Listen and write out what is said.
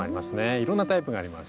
いろんなタイプがあります。